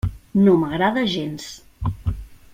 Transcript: No m'agrada gens.